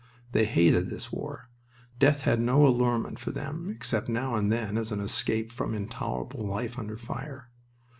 They hated this war. Death had no allurement for them, except now and then as an escape from intolerable life under fire.